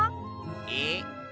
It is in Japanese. えっ？